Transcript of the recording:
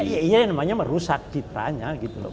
ya namanya merusak kitanya